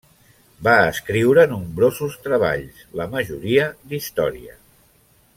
Va escriure nombrosos treballs, la majoria d'història.